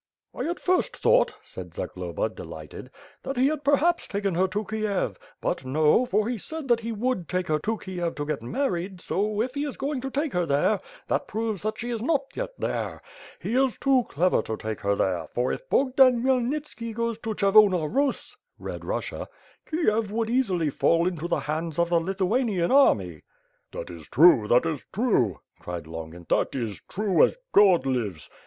"I at first thought," said Zagloba, delighted, "that he had perhaps taken her to Kiev — ^but, no, for he said that he would take her to Kiev to get married so if he is going to take her . there, that proves that she is not yet there. He is too clever to take her there, for if Bogdan Khmyelnitski goes to Cher Vona Buss, (Red Bussia), Kiev would easily fall into the hands of the Lithuanian army." "That is true; that is true;" cried Longin, "that is true, as God lives!